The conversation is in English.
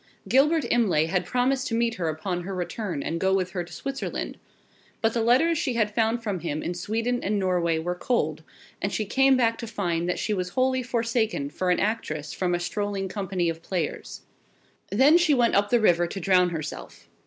Gilbert Imlay had promised to meet her upon her return, and go with her to Switzerland. But the letters she had from him in Sweden and Norway were cold, and she came back to find that she was wholly forsaken for an actress from a strolling company of players. Then she went up the river to drown herself.